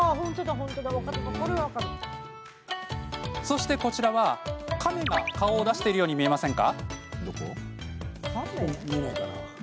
そして、こちらはカメが顔を出しているように見えませんか？